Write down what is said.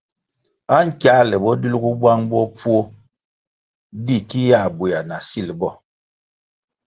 Ankiāle bo dilgu bwang bopfuo di ki yā bwéa na sil bo.